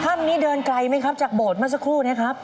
ถ้ำนี้เดินไกลไหมครับจากโบสถ์เมื่อสักครู่นี้ครับ